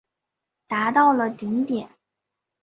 达到了顶点。